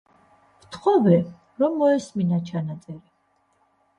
ვთხოვე, რომ მოესმინა ჩანაწერი.